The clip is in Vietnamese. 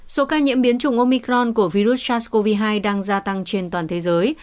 số ca nhiễm biến chủng omicron của virus sars cov hai đang gia tăng trên toàn thế giới